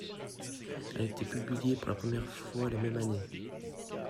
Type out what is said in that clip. Elle a été publiée pour la première fois la même année.